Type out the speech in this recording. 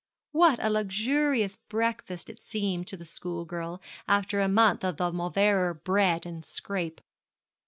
What a luxurious breakfast it seemed to the schoolgirl after a month of the Mauleverer bread and scrape!